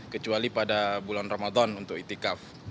kecuali pada bulan ramadan untuk itikaf